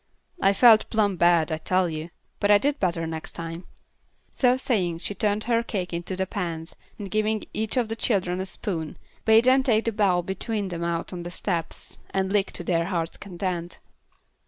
I felt plum bad, I tell you; but I did better next time;" so saying, she turned her cake into the pans and giving each of the children a spoon, bade them take the bowl between them out on the steps, and "lick" to their hearts' content.